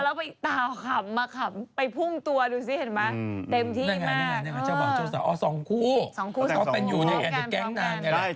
พอเต็มอยู่ด้วยกันแต่แก๊งไปพักต่าง